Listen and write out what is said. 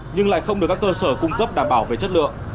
nhưng lại không được các cơ sở cung cấp đảm bảo về chất lượng